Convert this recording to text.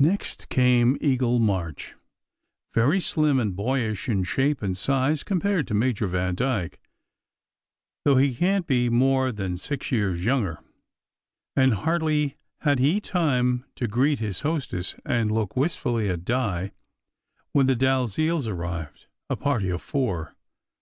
Next came Eagle March, very slim and boyish in shape and size compared to Major Vandyke, though he can t be more than six years younger; and hardly had he time to SECRET HISTORY 69 greet his hostess and look wistfully at Di, when the Dalziels arrived, a party of four.